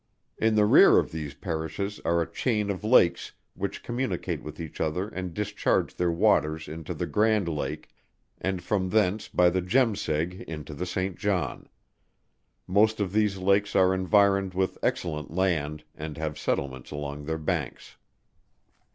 In the rear of these Parishes are a chain of lakes which communicate with each other and discharge their waters into the Grand Lake, and from thence by the Jemseg into the Saint John. Most of these lakes are environed with excellent land, and have settlements along their banks.